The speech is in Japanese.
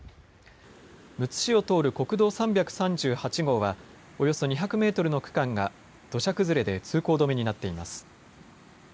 むつ市を通る国道３３８号はおよそ２００メートルの区間が土砂崩れで通行止めになっています。